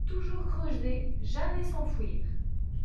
Toujours creuser, jamais s’enfouir